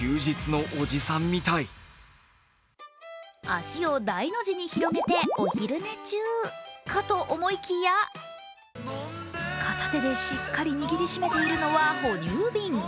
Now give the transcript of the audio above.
足を大の字に広げてお昼寝中、かと思いきや片手でしっかり握りしめているのは哺乳瓶。